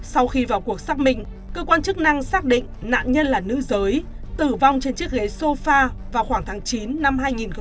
sau khi vào cuộc xác minh cơ quan chức năng xác định nạn nhân là nữ giới tử vong trên chiếc ghế sofa vào khoảng tháng chín năm hai nghìn một mươi chín